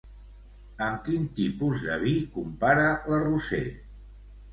Amb quin tipus de vi compara la Roser?